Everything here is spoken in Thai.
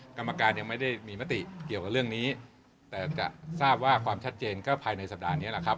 กรรมการยังไม่ได้มีมติเกี่ยวกับเรื่องนี้แต่จะทราบว่าความชัดเจนก็ภายในสัปดาห์นี้แหละครับ